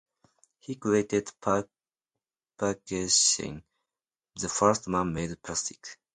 He created Parkesine, the first man-made plastic.